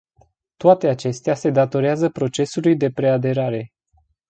Toate acestea se datorează procesului de preaderare.